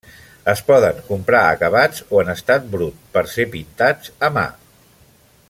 Es poden comprar acabats o en estat brut per ser pintats a mà.